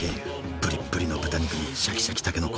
ぶりっぶりの豚肉にシャキシャキたけのこ。